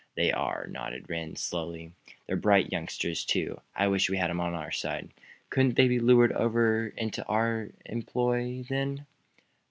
"They are," nodded Rhinds, slowly. "They're bright youngsters, too. I wish we had them on our side." "Couldn't they be lured over into our employ, then?"